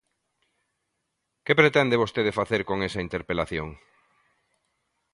¿Que pretende vostede facer con esa interpelación?